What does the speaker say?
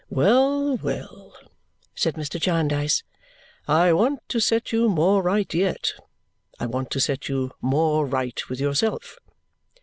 "Well, well!" said Mr. Jarndyce. "I want to set you more right yet. I want to set you more right with yourself."